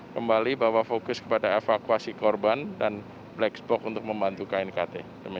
kembali bahwa fokus kepada evakuasi korban dan black box untuk membantu knkt